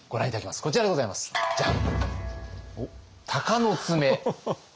こちらでございますジャン！